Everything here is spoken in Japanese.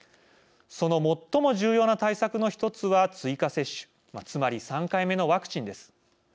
その最も重要な対策の一つは追加接種つまり３回目のワクチンです。